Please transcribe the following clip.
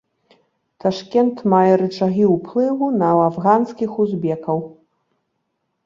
Ташкент мае рычагі ўплыву на афганскіх узбекаў.